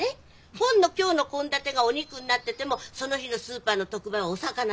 本の今日の献立がお肉になっててもその日のスーパーの特売はお魚なの。